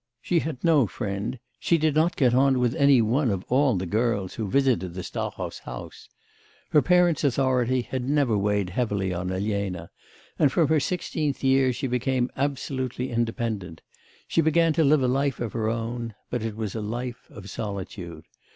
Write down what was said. She had no friend; she did not get on with any one of all the girls who visited the Stahovs' house. Her parents' authority had never weighed heavily on Elena, and from her sixteenth year she became absolutely independent; she began to live a life of her own, but it was a life of solitude.